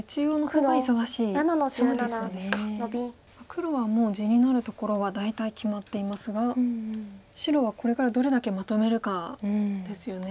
黒はもう地になるところは大体決まっていますが白はこれからどれだけまとめるかですよね。